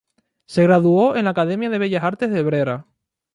Se graduó en la Academia de Bellas Artes de Brera.